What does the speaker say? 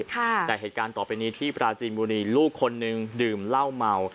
แต่เหตุการณ์ต่อไปนี้ที่ปราจีนบุรีลูกคนหนึ่งดื่มเหล้าเมา